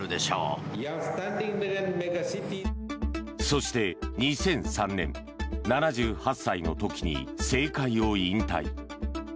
そして、２００３年７８歳の時に政界を引退。